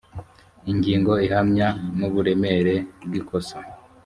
ingingo ihamya n’ uburemere bw’ ikosa